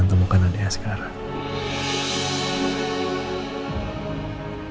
nanti papa temukan adiknya sekarang